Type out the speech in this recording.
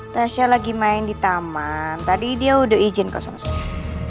tasyik lagi main di taman tadi dia udah izin kau sama saya